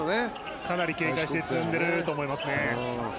かなり警戒して積んでると思いますね。